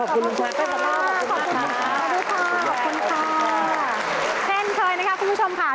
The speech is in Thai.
เซ่นเคยนะครับ